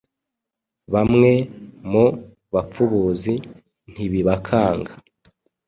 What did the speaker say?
bamwe mu bapfubuzi ntibibakanga